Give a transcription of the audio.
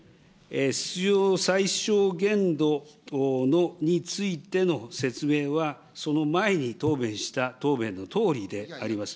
必要最小限度についての説明はその前に答弁した答弁のとおりであります。